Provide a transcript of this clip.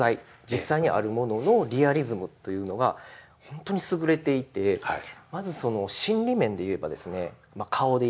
実際にあるもののリアリズムというのが本当に優れていてまずその心理面で言えばですね「顔」で言いますと疑心暗鬼ですよね。